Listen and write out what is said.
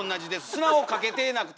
砂をかけてなくて。